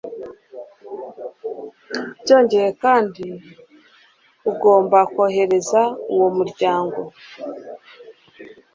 byongeye kandi ugomba kohereza uwo muryango